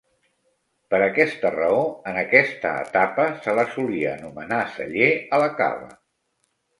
Per aquesta raó, en aquesta etapa se la solia anomenar celler a la cava.